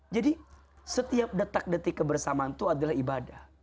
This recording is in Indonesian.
jadi setiap detak detik kebersamaan itu adalah ibadah